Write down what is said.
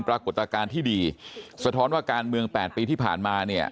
ประกฎาคารที่ดีเศรษฐอนว่าการเมือง๘ปีที่ผ่านมาเนี่ย